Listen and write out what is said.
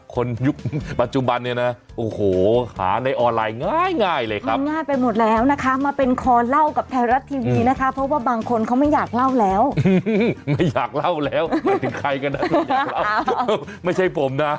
คนปัจจุบันเนี่ยนะโอ้โห